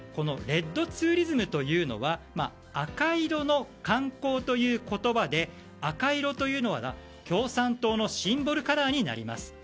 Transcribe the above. レッドツーリズムというのは赤色の観光という言葉で赤色というのは、共産党のシンボルカラーになります。